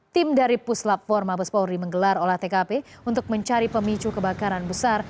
tim dari puslat forma bespori menggelar olah tkp untuk mencari pemicu kebakaran besar